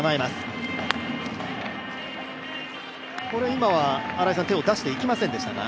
今は手を出していきませんでしたか？